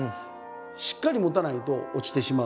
しっかり持たないと落ちてしまう。